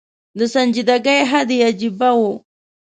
د سنجیدګۍ حد یې عجېبه و.